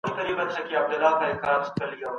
قدم ایښودل د نوي کار د پیلولو مانا لري.